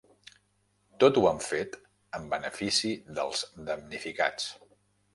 Tot ho han fet en benefici dels damnificats.